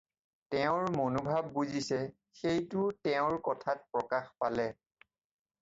তেওঁৰ মনোভাব বুজিছে সেইটোও তেওঁৰ কথাত প্ৰকাশ পালে।